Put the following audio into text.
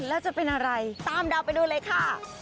แล้วจะเป็นอะไรตามดาวไปดูเลยค่ะ